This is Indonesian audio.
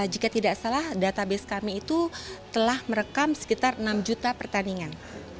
jika tidak salah database kami itu telah merekam sekitar enam juta pertandingan